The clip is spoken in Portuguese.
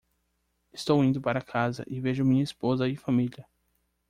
Estou indo para casa e vejo minha esposa e família.